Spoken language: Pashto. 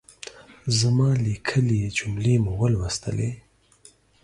زما ليکلۍ جملې مو ولوستلې؟